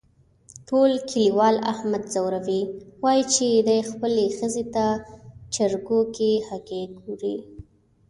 ټول کلیوال احمد ځوروي، وایي چې دی خپلې ښځې ته چرگو کې هگۍ گوري.